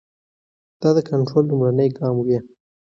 دا د کنټرول لومړنی ګام وي.